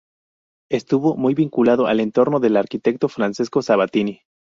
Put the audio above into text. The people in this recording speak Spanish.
Estuvo muy vinculado al entorno del arquitecto Francesco Sabatini.